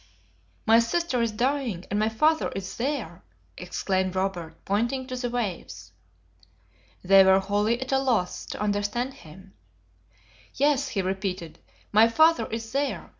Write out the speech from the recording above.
"My sister is dying, and my father is there!" exclaimed Robert, pointing to the waves. They were wholly at a loss to understand him. "Yes!" he repeated, "my father is there!